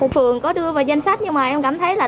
phường có đưa vào danh sách nhưng mà em cảm thấy là